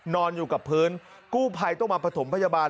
นอนอยู่กับพื้นกู้ภัยต้องมาประถมพยาบาล